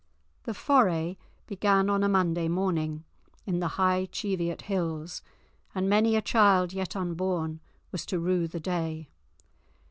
The foray began on a Monday morning in the high Cheviot Hills, and many a child yet unborn was to rue the day.